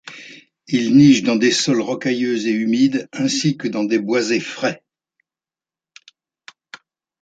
Il niche dans des sols rocailleux et humides, ainsi que dans des boisés frais.